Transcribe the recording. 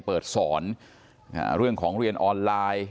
เปิดสอนเรื่องของเรียนออนไลน์